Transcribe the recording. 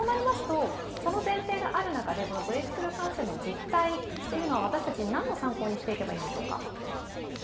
その前提がある中でブレークスルー感染の実態というのは私たち何の参考にしていけばいいんでしょうか？